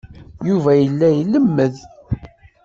Yuba yella ilemmed.